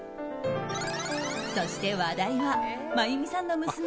そして話題は真弓さんの娘